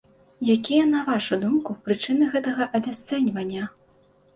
Якія, на вашу думку, прычыны гэтага абясцэньвання?